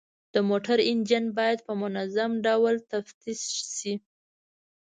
د موټرو انجن باید په منظم ډول تفتیش شي.